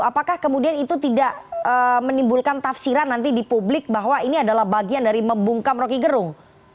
apakah kemudian itu tidak menimbulkan tafsiran nanti di publik bahwa ini adalah bagian dari membungkam roky gerung